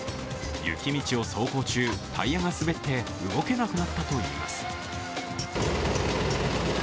雪道を走行中、タイヤが滑って動けなくなったといいます。